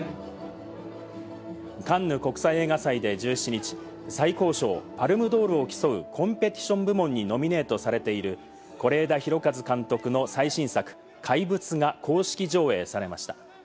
カンヌ国際映画祭で１７日、最高賞・パルムドールを競うコンペティション部門にノミネートされている是枝裕和監督の最新作『怪物』が公式上映されました。